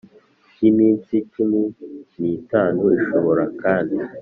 y iminsi cumi n itanu Ishobora kandi